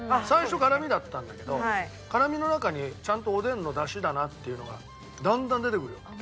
最初辛みだったんだけど辛みの中にちゃんとおでんの出汁だなっていうのがだんだん出てくるよ。